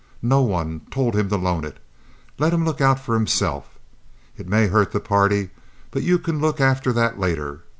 No one told him to loan it. Let him look out for himself. It may hurt the party, but you can look after that later.